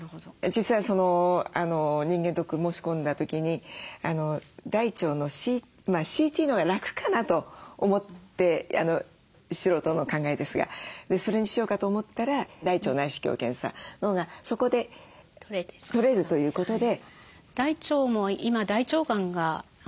実は人間ドック申し込んだ時に大腸のＣＴのほうが楽かなと思って素人の考えですがそれにしようかと思ったら大腸内視鏡検査のほうがそこで取れるということで。